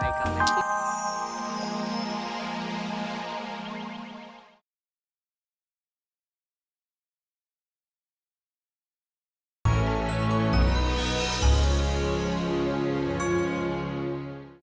terima kasih udah nonton